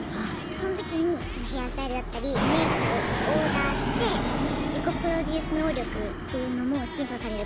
その時にヘアスタイルだったりメイクをオーダーして自己プロデュース能力っていうのも審査される項目がありました。